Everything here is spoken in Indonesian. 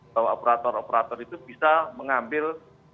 bahwa operator operator itu bisa mengambil